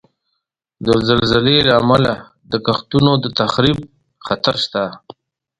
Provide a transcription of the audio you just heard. د زلزلې له امله د کښتونو د تخریب خطر شته.